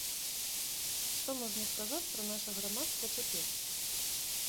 Што можна сказаць пра наша грамадства цяпер?